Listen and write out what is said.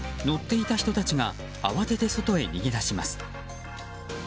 乗っていた人たちが慌てて外へ逃げ出します。